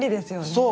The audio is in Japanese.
そう。